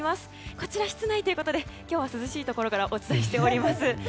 こちら、室内ということで今日は涼しいところからお伝えしております。